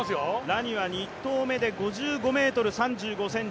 ラニは２投目で５５ｍ３５ｃｍ。